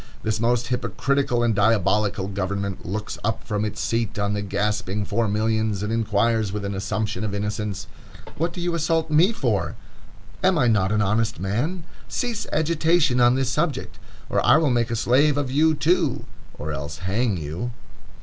This most hypocritical and diabolical government looks up from its seat on the gasping four millions, and inquires with an assumption of innocence: "What do you assault me for? Am I not an honest man? Cease agitation on this subject, or I will make a slave of you, too, or else hang you."